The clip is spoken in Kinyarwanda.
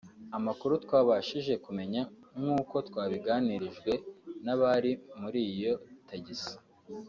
Amakuru twabashije kumenya nk’uko twabitangarijwe n’abari muri iyo tagisi